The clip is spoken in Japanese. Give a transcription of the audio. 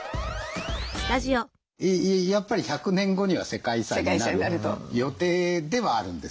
やっぱり１００年後には世界遺産になる予定ではあるんです。